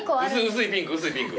薄いピンク薄いピンク。